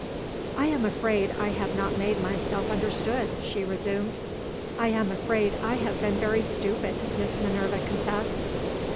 "I am afraid I have not made myself understood," she resumed. "I am afraid I have been very stupid," Miss Minerva confessed.